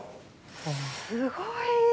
すごい！